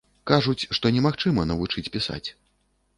Кажуць, што немагчыма навучыць пісаць.